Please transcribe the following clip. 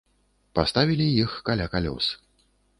Паставілі іх каля калёс.